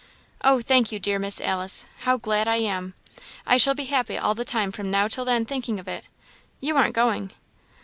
"Oh, thank you, dear Miss Alice; how glad I am! I shall be happy all the time from now till then thinking of it. You aren't going?"